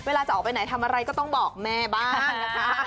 จะออกไปไหนทำอะไรก็ต้องบอกแม่บ้างนะคะ